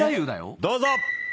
どうぞ！